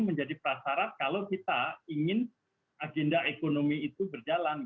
menjadi prasarat kalau kita ingin agenda ekonomi itu berjalan